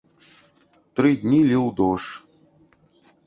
Тры дні ліў дождж.